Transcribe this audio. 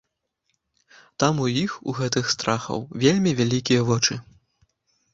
Там у іх, у гэтых страхаў, вельмі вялікія вочы.